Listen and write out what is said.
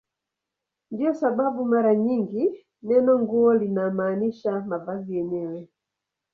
Ndiyo sababu mara nyingi neno "nguo" linamaanisha mavazi yenyewe.